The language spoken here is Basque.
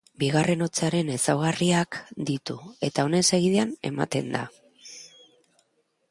Bigarren hotsaren ezaugarriak ditu eta honen segidan ematen da.